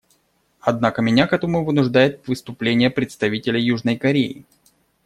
Однако меня к этому вынуждает выступление представителя Южной Кореи.